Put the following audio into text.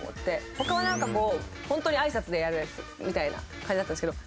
他はなんかこうホントに挨拶でやるやつみたいな感じだったんですけど。